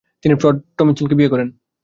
তিনি ফ্রেড টমসনকে বিয়ে করেন।